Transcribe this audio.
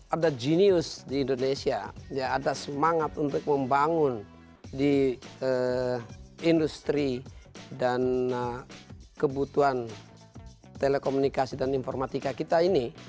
ada genius di indonesia ada semangat untuk membangun di industri dan kebutuhan telekomunikasi dan informatika kita ini